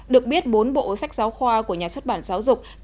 được biết bốn bộ sách giáo khoa của nhà xuất bản giáo dục